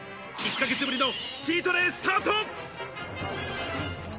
１ヶ月ぶりのチートデイ、スタート！